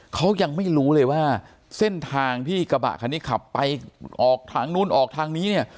เขายังไม่รู้เลยว่าเส้นทางที่กระบะคันนี้ขับไปออกทางนู้นออกทางนี้เนี่ย